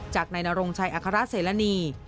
จากนายนโรงชัยอาคาราศเศรนี